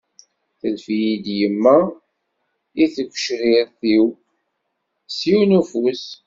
Tellef-iyi-d yemma i tgecrirt-w s yiwen n ufus.